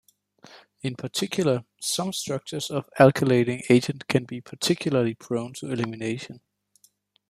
In particular, some structures of alkylating agent can be particularly prone to elimination.